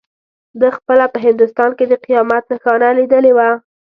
ده خپله په هندوستان کې د قیامت نښانه لیدلې وه.